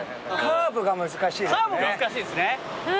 カーブ難しいですね。